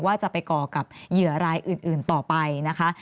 ว่าจะไปก่อกับเหยื่อรายอื่นต่อไปนะคะ